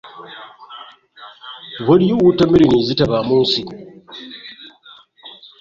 Waliyo wootameroni ezitabaamu nsingo